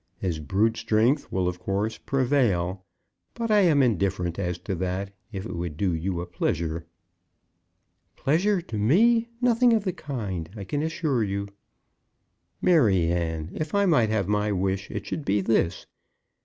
His brute strength will, of course, prevail; but I am indifferent as to that, if it would do you a pleasure." "Pleasure to me! Nothing of the kind, I can assure you." "Maryanne, if I might have my wish, it should be this.